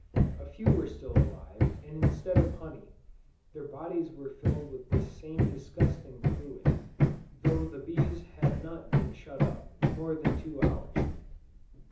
A few were still alive, and instead of honey, their bodies were filled with this same disgusting fluid; though the bees had not been shut up, more than two hours.